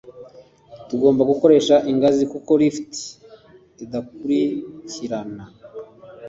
tugomba gukoresha ingazi kubera ko lift idakurikirana